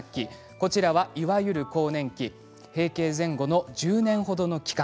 こちらは、いわゆる更年期閉経前後の１０年程の期間。